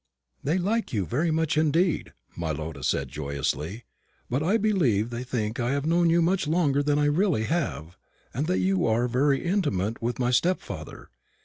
"They like you very much indeed," my Lotta said joyously; "but I believe they think I have known you much longer than I really have, and that you are very intimate with my stepfather.